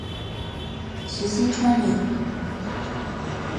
石星川人。